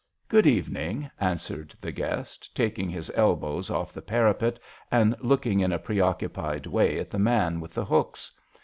66 Good evening/' answered the guest, taking his elbows off the parapet and looking in a preoc cupied way at the man with the hooks.